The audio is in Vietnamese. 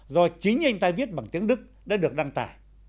do chính anh ta viết bằng tiếng đức đã được đăng tải